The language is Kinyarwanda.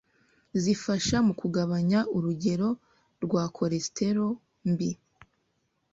zifasha mu kugabanya urugero rwa cholesterol mbi